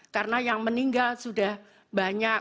karena yang meninggal sudah banyak